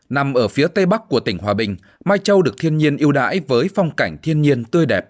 nằm ở phía tây bắc của tỉnh hòa bình mai châu được thiên nhiên yêu đáy với phong cảnh thiên nhiên tươi đẹp